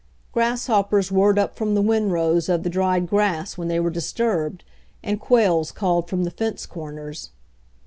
Grasshoppers whirred up from the winrows of the dried grass when they were disturbed, and quails called from the fence corners.